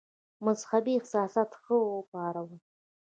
مدهبي احساسات ښه وپارول.